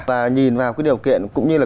và nhìn vào cái điều kiện cũng như là